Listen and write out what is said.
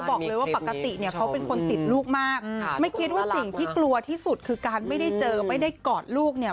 บอกเลยว่าปกติเนี่ยเขาเป็นคนติดลูกมากไม่คิดว่าสิ่งที่กลัวที่สุดคือการไม่ได้เจอไม่ได้กอดลูกเนี่ย